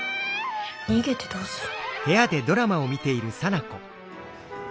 逃げてどうする。